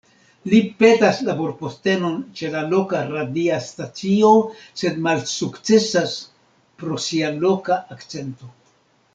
Li petas laborpostenon ĉe la loka radia stacio, sed malsukcesas pro sia loka akcento.